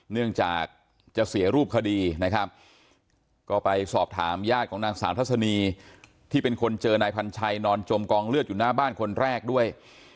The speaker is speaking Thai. เนื่องจากจะเสียรูปคดีนะครับก็ไปสอบถามญาติของนางสาวทัศนีที่เป็นคนเจอนายพันชัยนอนจมกองเลือดอยู่หน้าบ้านคนแรกด้วย